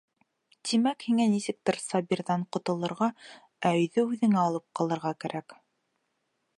Тимәк, һиңә нисек тә Сабирҙан ҡотолорға, ә өйҙө үҙеңә алып ҡалырға кәрәк!